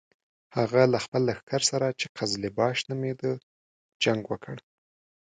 هغه له خپل لښکر سره چې قزلباش نومېده جنګ وکړ.